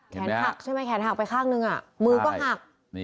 หักใช่ไหมแขนหักไปข้างนึงมือก็หัก